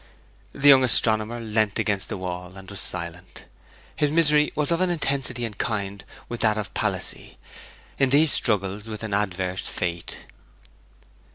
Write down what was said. The young astronomer leant against the wall, and was silent. His misery was of an intensity and kind with that of Palissy, in these struggles with an adverse fate.